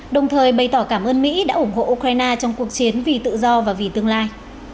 đồng thời bày tỏ cảm ơn mỹ đã ủng hộ ukraine trong cuộc chiến vì tự do và vì tương lai